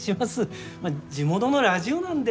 まあ地元のラジオなんで。